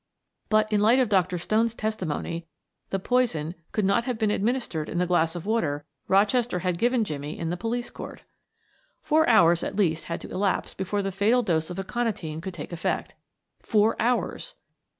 But in the light of Dr. Stone's testimony, the poison "could not have been administered in the glass of water Rochester had given Jimmie in the police court." Four hours at least had to elapse before the fatal dose of aconitine could take effect four hours!